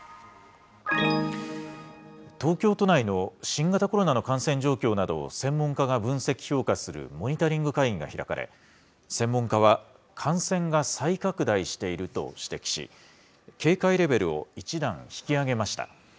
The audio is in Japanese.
東京都内の新型コロナの感染状況などを専門家が分析・評価するモニタリング会議が開かれ、専門家は、感染が再拡大していると指摘し、警戒レベルを１段引き上げました。